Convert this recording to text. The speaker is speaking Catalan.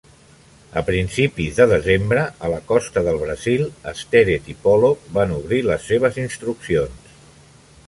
A principis de desembre, a la costa del Brasil, Sterett i Pollock van obrir les seves instruccions.